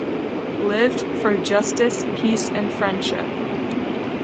Lived for justice, peace and friendship.